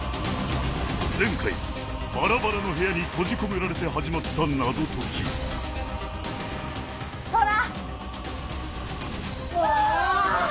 前回バラバラの部屋に閉じ込められて始まった謎解きトラ。